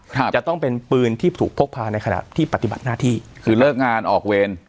ครับจะต้องเป็นปืนที่ถูกพกพาในขณะที่ปฏิบัติหน้าที่คือเลิกงานออกเวร